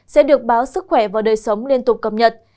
sẽ được báo sức khỏe và đời sống liên tục cập nhật